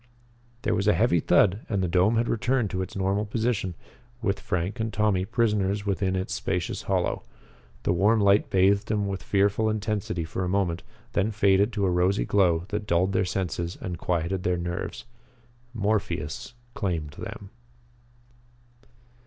There was a heavy thud and the dome had returned to its normal position, with Frank and Tommy prisoners within its spacious hollow. The warm light bathed them with fearful intensity for a moment, then faded to a rosy glow that dulled their senses and quieted their nerves. Morpheus claimed them.